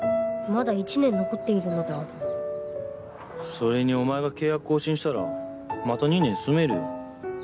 それにお前が契約更新したらまた２年住めるよ。